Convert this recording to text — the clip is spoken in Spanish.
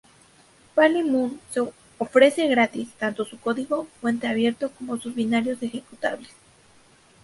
Pale Moon se ofrece gratis, tanto su código fuente abierto como sus binarios ejecutables.